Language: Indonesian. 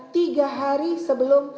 tiga hari sebelum